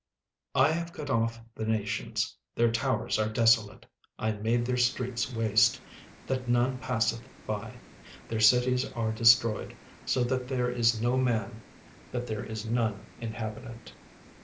36:003:006 I have cut off the nations: their towers are desolate; I made their streets waste, that none passeth by: their cities are destroyed, so that there is no man, that there is none inhabitant.